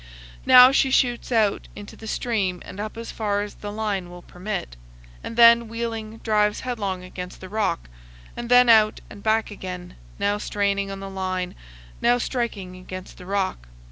Now she shoots out into the stream and up as far as the line will permit, and then, wheeling, drives headlong against the rock, and then out and back again, now straining TO THE FOOT OF THE GRAND CANYON. 283 on the line, now striking against the rock.